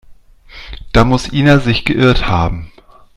Da muss Ina sich geirrt haben.